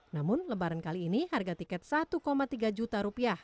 namun lebaran kali ini harga tiket rp satu tiga juta